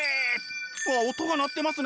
わっ音が鳴ってますね。